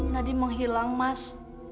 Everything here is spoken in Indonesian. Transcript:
nadi menghilang mas